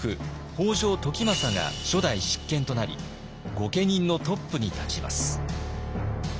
北条時政が初代執権となり御家人のトップに立ちます。